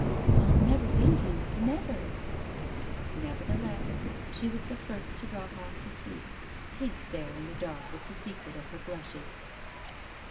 '* I'll never leave you. Never !" Nevertheless, she was the first to drop off to sleep, pink there in the dark with the secret of her blushes.